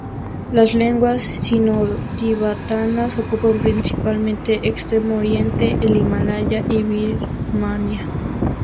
Las lenguas sinotibetanas ocupan principalmente Extremo Oriente, el Himalaya y Birmania.